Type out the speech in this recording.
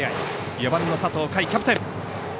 ４番の佐藤海、キャプテン。